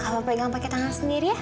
kalau pegang pakai tangan sendiri ya